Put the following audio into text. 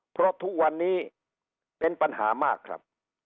เพราะทุกวันนี้เป็นปัญหามากครับ